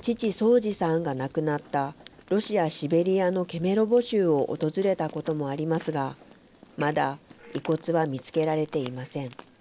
父、宗次さんが亡くなったロシア・シベリアのケメロボ州も訪れたこともありますが、まだ遺骨は見つけられていません。